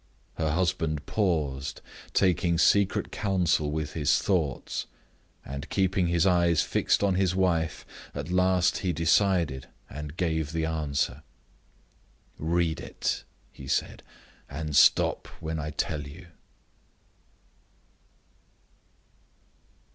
Her husband paused, taking secret counsel with his thoughts, and keeping his eyes fixed on his wife. At last he decided, and gave the answer. "Read it," he said, "and stop when I tell you."